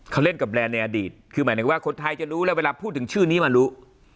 เขาเล่นกับแบรนด์ในอดีตคือหมายถึงว่าคนไทยจะรู้แล้วเวลาพูดถึงชื่อนี้มารู้